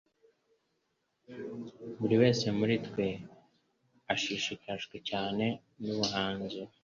Buri wese muri twe ashishikajwe cyane nubuhanzi.